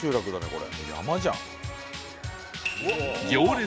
これ。